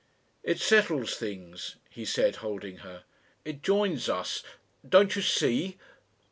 "It settles things," he said, holding her. "It joins us. Don't you see?